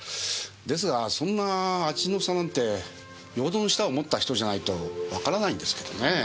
ですがそんな味の差なんてよほどの舌を持った人じゃないとわからないんですけどねぇ。